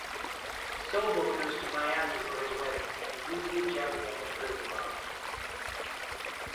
Sobel goes to Miami for his wedding and Vitti, Jelly and the crew follow.